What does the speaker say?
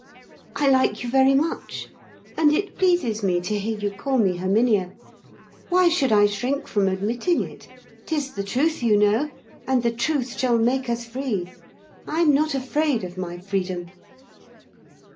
"I like you very much, and it pleases me to hear you call me Herminia. Why should I shrink from admitting it? 'Tis the Truth, you know; and the Truth shall make us Free. I'm not afraid of my freedom."